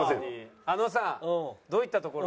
あのさんどういったところが？